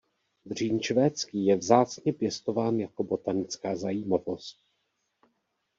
Dřín švédský je vzácně pěstován jako botanická zajímavost.